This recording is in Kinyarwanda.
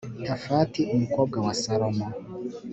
tafati umukobwa wa salomo